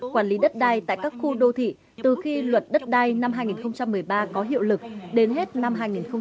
quản lý đất đai tại các khu đô thị từ khi luật đất đai năm hai nghìn một mươi ba có hiệu lực đến hết năm hai nghìn một mươi bảy